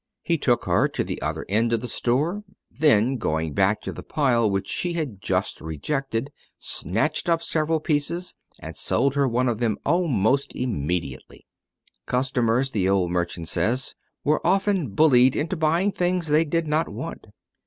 He took her to the other end of the store, and then going back to the pile which she had just rejected, snatched up several pieces, and sold her one of them almost immediately. Customers, the old merchant says, were often bullied into buying things they did not want.